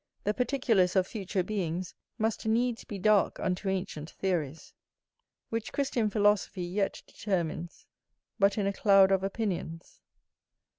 The particulars of future beings must needs be dark unto ancient theories, which Christian philosophy yet determines but in a cloud of opinions.